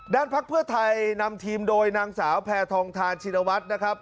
ภักดิ์เพื่อไทยนำทีมโดยนางสาวแพทองทานชินวัฒน์นะครับ